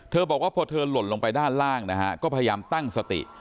บอกว่าพอเธอหล่นลงไปด้านล่างนะฮะก็พยายามตั้งสติ